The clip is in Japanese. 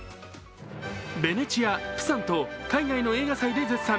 ヴェネチア、プサンと海外の映画祭で絶賛。